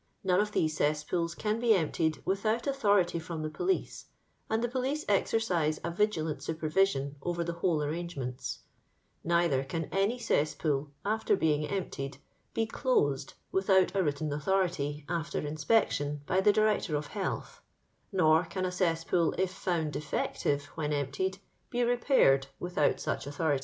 Noneof these cesspools can be emptied without anthoeity from the pohee, and the police exercise a ^^gilant snpenrision orer the whole arrangements; nsither can any cesspool, sfter being enmtled, be dosed iflthoat a written anthoritgr, after inspection, bj the Director of Health; nor can a cesspool, if found defeotiTe when emptied, be repahted without such anthori^.